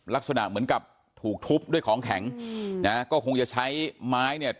ลักษณะเหมือนกับถูกทุบด้วยของแข็งนะก็คงจะใช้ไม้เนี่ย